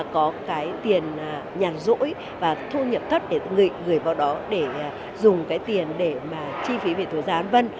có cái tiền nhàn rỗi và thu nhập thất để gửi vào đó để dùng cái tiền để mà chi phí về thu giá an vân